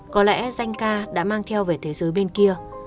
có lẽ danh ca đã mang theo về thế giới bên kia